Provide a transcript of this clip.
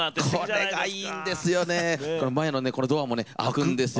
それから前のドアもね開くんですよ